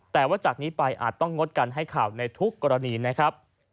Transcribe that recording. แต่ว่าจากนี้ไปอาจต้องงดการให้ข่าวในทุกกรณีนะครับ